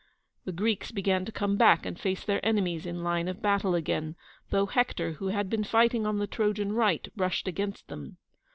The Greeks began to come back and face their enemies in line of battle again, though Hector, who had been fighting on the Trojan right, rushed against them.